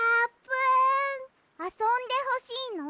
あそんでほしいの？